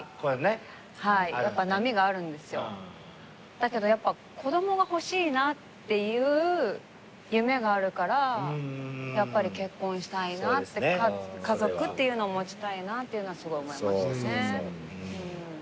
だけどやっぱ子供が欲しいなっていう夢があるからやっぱり結婚したいなって家族っていうのを持ちたいなっていうのはすごい思いましたね。